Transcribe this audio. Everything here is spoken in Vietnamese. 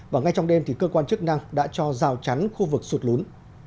và ngay trong đêm thì cơ quan chức năng đã cho rào chắn khu vực sụt lún